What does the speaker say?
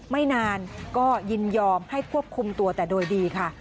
ไม่นานก็ยินยอมให้ควบคุมตัวแต่โดยดีค่ะ